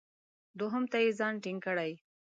دوهم ته یې ځان ټینګ کړی.